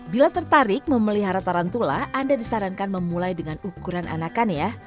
bila tertarik memelihara tarantula anda disarankan memulai dengan ukuran anakan ya